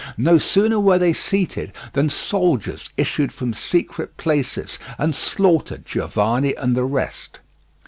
No sooner were they seated than soldiers issued from secret places and slaughtered Giovanni and the rest.